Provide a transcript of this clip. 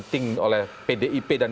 jika berjaya di depan